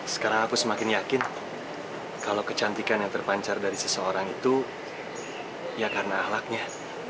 sekarang aku semakin yakin kalau kecantikan yang terpancar dari seseorang itu ya karena ahlaknya